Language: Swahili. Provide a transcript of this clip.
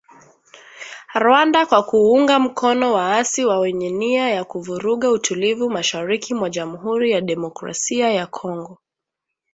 Rwanda kwa kuunga mkono waasi wa wenye nia ya kuvuruga utulivu mashariki mwa Jamuhuri ya Demokrasia ya Kongo